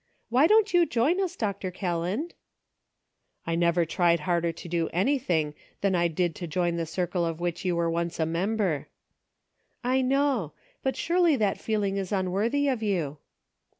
Why don't you join us, Dr. Kelland ?"" I never tried harder to do anything than I did to join the circle of which you were once a mem ber." " I know ; but surely that feeling is unworthy of you."